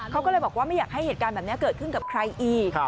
เขาก็เลยบอกว่าไม่อยากให้เหตุการณ์แบบนี้เกิดขึ้นกับใครอีก